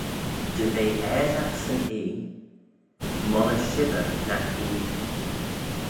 Dy ve aashagh 'syn oie monney shibber nagh ee,